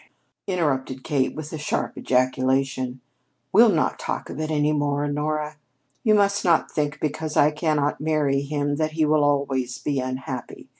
interrupted Kate with a sharp ejaculation; "we'll not talk of it any more, Honora. You must not think because I cannot marry him that he will always be unhappy.